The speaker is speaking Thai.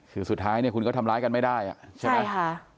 คือสุดท้ายนี่คุณก็ทำร้ายกันไม่ได้ใช่ไหมใช่ค่ะ